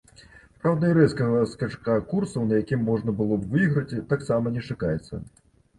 Праўда, і рэзкага скачка курсаў, на якім можна было б выйграць, таксама не чакаецца.